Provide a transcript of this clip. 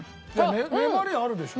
粘りあるでしょ？